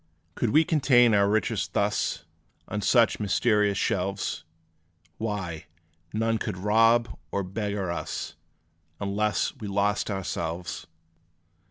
Could we contain our riches thus, On such mysterious shelves, Why, none could rob or beggar us; Unless we lost ourselves!